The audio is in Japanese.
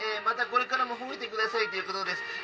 「またこれからもほえてください」ということです